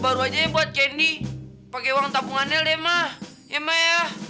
baru aja buat candy pake uang tabungan aja deh mah ya mah ya